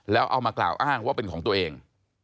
แล้วเอามากล่าวอ้างว่าเป็นของตัวเอง